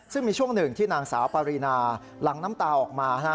ซึ่งมีช่วงหนึ่งที่นางสาวปารีนาหลังน้ำตาออกมา